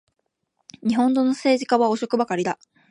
日本の政治家は汚職ばかりだ